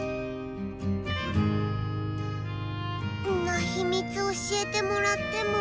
んなひみつ教えてもらっても。